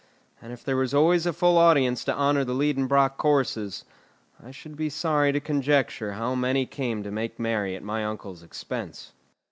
And if there was always a full audience to honour the Liedenbrock courses, I should be sorry to conjecture how many came to make merry at my uncle's expense.